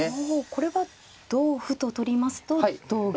これは同歩と取りますと同銀と。